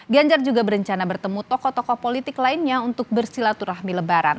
ganjar juga berencana bertemu tokoh tokoh politik lainnya untuk bersilaturahmi lebaran